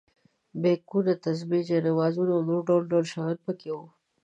بیکونه، تسبیح، جاینمازونه او نور ډول ډول شیان په کې وو.